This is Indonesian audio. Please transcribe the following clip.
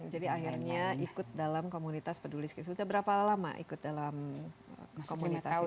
jadi akhirnya ikut dalam komunitas peduli sekitar sudah berapa lama ikut dalam komunitas itu